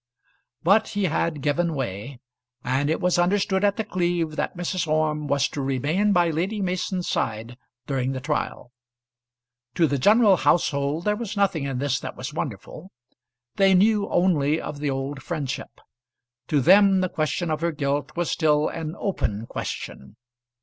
But he had given way, and it was understood at The Cleeve that Mrs. Orme was to remain by Lady Mason's side during the trial. To the general household there was nothing in this that was wonderful. They knew only of the old friendship. To them the question of her guilt was still an open question.